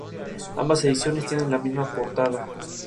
Ambas ediciones tienen la misma portada.